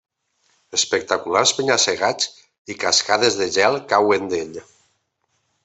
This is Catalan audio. Espectaculars penya-segats i cascades de gel cauen d'ell.